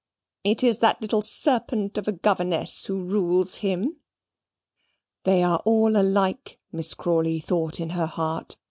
It is that little serpent of a governess who rules him." They are all alike, Miss Crawley thought in her heart.